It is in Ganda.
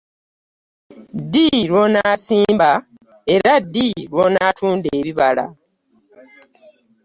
Ddi lw’onaasimba era ddi lw’onaatunda ebibala.